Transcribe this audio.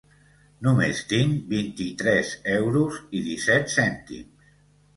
Només tinc vint-i-tres euros i disset cèntims